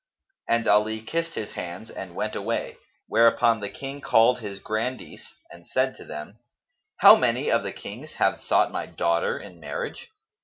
And Ali kissed his hands and went away; whereupon the King called his grandees and said to them, "How many of the Kings have sought my daughter in marriage?"